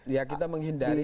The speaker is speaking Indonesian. ya kita menghindari